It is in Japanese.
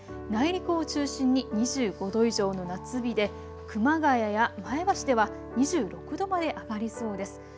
内陸を中心に２５度以上の夏日で熊谷や前橋では２６度まで上がりそうです。